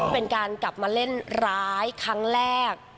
เป็นการกลับมาเล่นร้ายครั้งแรก